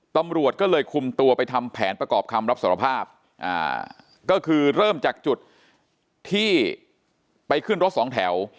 ตำรวจก็เลยคุมตัวไปทำแผนประกอบคำรับสารภาพก็คือเริ่มจากจุดที่ไปขึ้นรถสองแถว